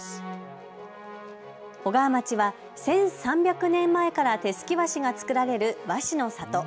小川町は１３００年前から手すき和紙が作られる和紙の里。